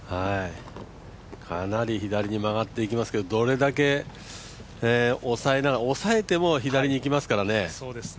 かなり左に曲がっていきますけど、抑えても左にいきますからね。